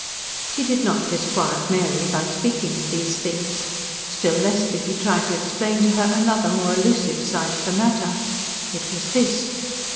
He did not disquiet Mary by speaking of these things. Still less did he try to explain to her another, more elusive side of the matter. It was this.